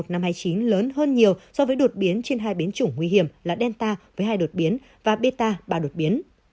năm hai mươi chín lớn hơn nhiều so với đột biến trên hai biến chủng nguy hiểm là delta với hai đột biến và bê ta ba đột biến